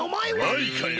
マイカよ。